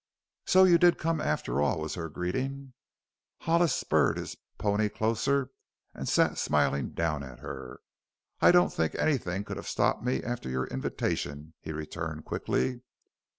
"So you did come, after all?" was her greeting. Hollis spurred his pony closer and sat smiling down at her. "I don't think anything could have stopped me after your invitation," he returned quickly.